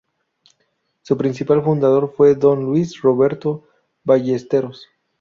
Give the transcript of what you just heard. Su principal fundador fue Don Luis Roberto Ballesteros.